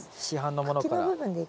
市販のものから。